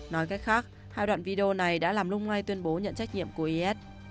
nói cách khác hai đoạn video này đã làm lung lay tuyên bố nhận trách nhiệm của is